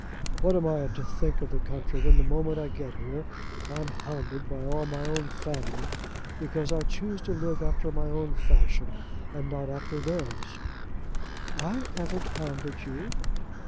"What am I to think of the country, when the moment I get here I am hounded by all my own family because I choose to live after my own fashion and not after theirs?" "I haven't hounded you."